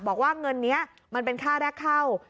บอกว่าเงินนี้มันเป็นค่าแรกเข้า